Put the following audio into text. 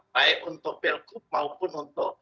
baik untuk pilkup maupun untuk